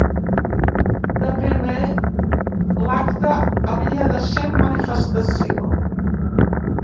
De primer, l’acte havia de ser manifestació.